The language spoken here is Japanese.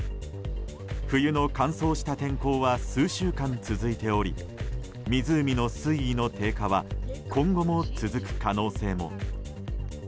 冬の乾燥した天候は数週間続いており湖の水位の低下は今後も続く可能性も。